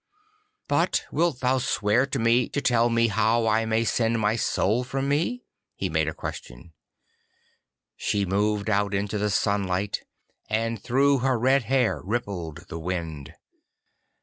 'But wilt thou swear to me to tell me how I may send my soul from me?' he made question. She moved out into the sunlight, and through her red hair rippled the wind.